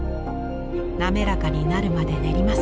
滑らかになるまで練ります。